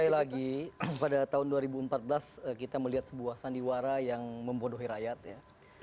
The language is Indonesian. sekali lagi pada tahun dua ribu empat belas kita melihat sebuah sandiwara yang membodohi rakyat ya